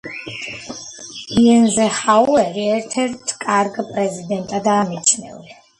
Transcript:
ეიზენჰაუერი ერთ-ერთ კარგ პრეზიდენტადაა მიჩნეული.